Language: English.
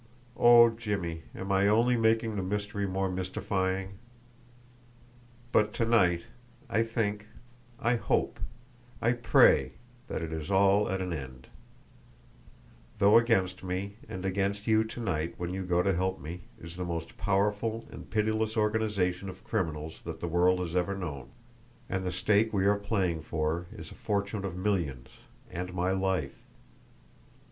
Oh, Jimmie, am I only making the mystery more mystifying? But to night, I think, I hope, I pray that it is all at an end: though against me, and against you to night when you go to help me, is the most powerful and pitiless organisation of criminals that the world has ever known; and the stake we are playing for is a fortune of millions and my life.